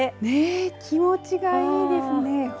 気持ちがいいですね。